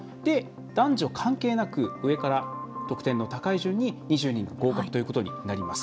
男女関係なく上から得点の高い順に２０人合格ということになります。